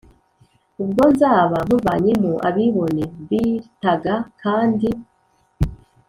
ubwo nzaba nkuvanyemo abibone b r taga kandi